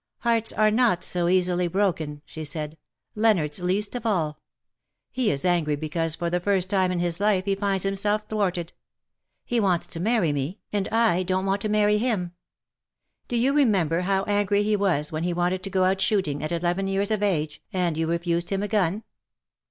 ^' Hearts are not so easily broken,''^ she said, " Leonardos least of all. He is angry because for the first time in his life he finds himself thwarted. He wants to marry me^ and I h2 100 ^^ BUT HERE IS ONE WHO don't want to marry him. Do you remember how angry he was when he wanted to go out shooting, at eleven years of age, and you refused him a gun.